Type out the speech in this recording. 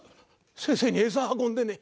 先生に餌運んでねえ。